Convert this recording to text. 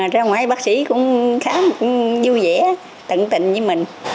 ra ngoài bác sĩ cũng khá vui vẻ tận tình với mình